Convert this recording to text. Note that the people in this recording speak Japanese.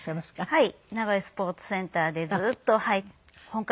はい。